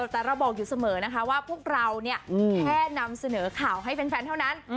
แต่เราบอกอยู่เสมอนะคะว่าพวกเราเนี่ยแค่นำเสนอข่าวให้แฟนเท่านั้น